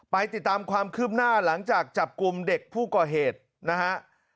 ไปติดตามความคืบหน้าหลังจากจับกลุ่มเด็กผู้ก่อเหตุนะฮะ